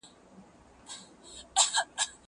زه بايد ليک ولولم؟!